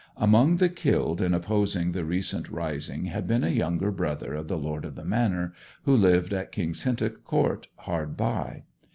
Among the killed in opposing the recent rising had been a younger brother of the lord of the manor, who lived at King's Hintock Court hard by.